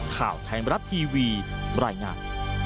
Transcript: ข่าวไทยรับทีวีรายงาน